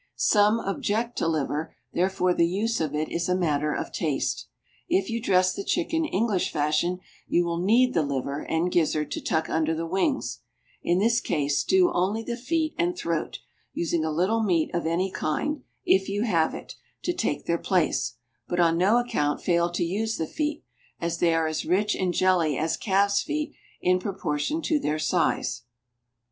Some object to liver, therefore the use of it is a matter of taste. If you dress the chickens English fashion, you will need the liver and gizzard to tuck under the wings; in this case, stew only the feet and throat, using a little meat of any kind, if you have it, to take their place; but on no account fail to use the feet, as they are as rich in jelly as calves' feet in proportion to their size.